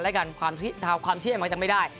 แล้วกันความเที่ยงมันจะไม่ได้